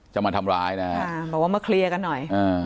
จะมาทำร้ายนะฮะบอกว่ามาเคลียร์กันหน่อยอ่า